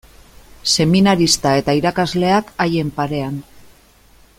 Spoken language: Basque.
Seminarista eta irakasleak haien parean.